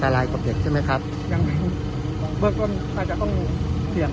แต่ว่าเหมือนโลเยียมเขาก็ไม่เข้าใจหรอกเค้า๔เดือน